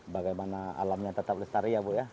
bagaimana alamnya tetap lestari ya bu ya